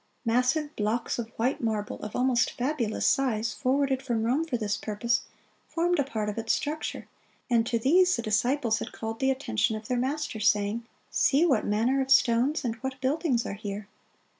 Massive blocks of white marble, of almost fabulous size, forwarded from Rome for this purpose, formed a part of its structure; and to these the disciples had called the attention of their Master, saying, "See what manner of stones and what buildings are here!"